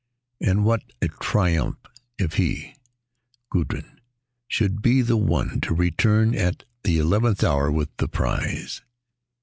And what a triumph if he, Guldran, should be the one to return at the eleventh hour with the prize.